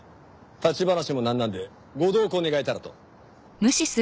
立ち話もなんなんでご同行願えたらと。